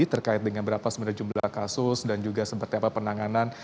terkait dengan berapa sebenarnya jumlah kasus dan juga seperti apa penanganan